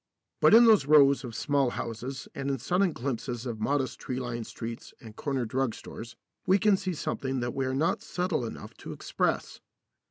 But in those rows of small houses and in sudden glimpses of modest tree lined streets and corner drug stores we can see something that we are not subtle enough to express.